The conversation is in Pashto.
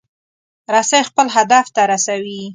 رسۍ خپل هدف ته رسوي.